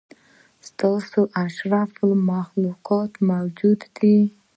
انسان اشرف المخلوق موجود دی.